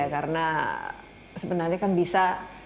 karena sebenarnya kan bisa